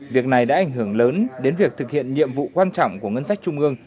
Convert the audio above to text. việc này đã ảnh hưởng lớn đến việc thực hiện nhiệm vụ quan trọng của ngân sách trung ương